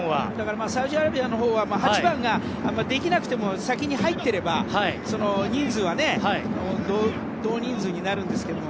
だからサウジアラビアのほうは８番ができなくても代わりが先に入っていれば人数は同人数になるんですが。